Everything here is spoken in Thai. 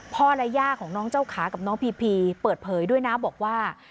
และย่าของน้องเจ้าขากับน้องพีพีเปิดเผยด้วยนะบอกว่า